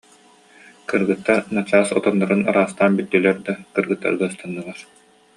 Кыргыттар начаас отоннорун ыраастаан бүттүлэр да, кыргыттарга ыстаннылар